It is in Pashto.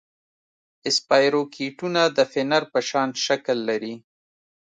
اسپایروکیټونه د فنر په شان شکل لري.